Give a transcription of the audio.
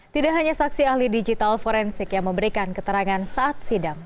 tidak hanya saksi ahli digital forensik yang memberikan keterangan saat sidang